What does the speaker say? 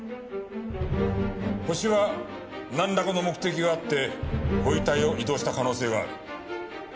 ホシはなんらかの目的があってご遺体を移動した可能性がある。